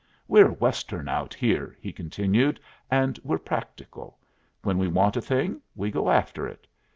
"We're Western out here," he continued, "and we're practical. When we want a thing, we go after it.